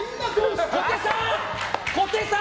小手さん！